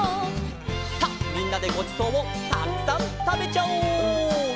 さあみんなでごちそうをたくさんたべちゃおう。